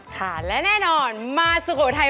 ค่ะและแน่นอนมาจุโกรธไทย